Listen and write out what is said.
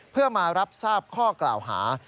เพื่อมารับทราบข้อกล่าวหา